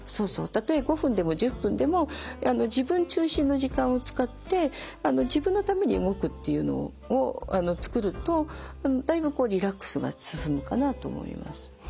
たとえ５分でも１０分でも自分中心の時間を使って自分のために動くっていうのを作るとだいぶリラックスが進むかなと思います。